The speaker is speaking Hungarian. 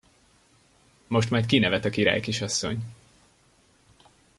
Most majd kinevet a királykisasszony.